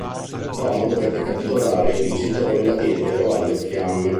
Como dovette capitolare e i vincitori la diedero alle fiamme.